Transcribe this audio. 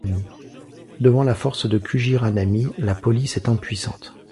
Devant la force de Kujiranami, la police est impuissante.